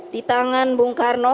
di tangan bung karno